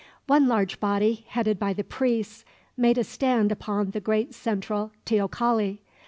One large body, headed by the priests, made a stand upon the great central teocalli.